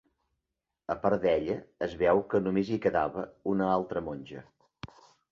A part d'ella es veu que només hi quedava una altra monja.